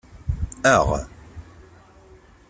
Aɣ!